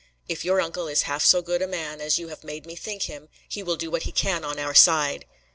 "If your uncle is half so good a man as you have made me think him, he will do what he can on our side.